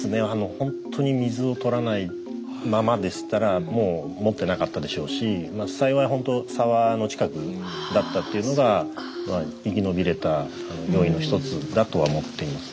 ほんとに水をとらないままでしたらもうもってなかったでしょうし幸いほんと沢の近くだったっていうのが生き延びれた要因の一つだとは思っています。